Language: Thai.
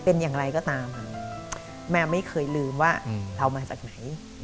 เป็นอย่างไรก็ตามค่ะแมวไม่เคยลืมว่าเรามาจากไหน